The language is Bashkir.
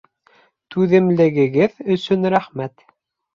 Түҙемлегегеҙ өсөн рәхмәт